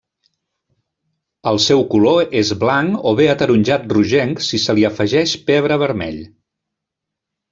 El seu color és blanc o bé ataronjat rogenc si se li afegeix pebre vermell.